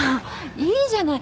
いいじゃない。